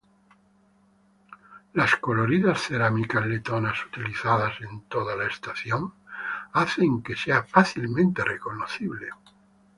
Las coloridas cerámicas letonas utilizadas en toda la estación hacen que sea fácilmente reconocible.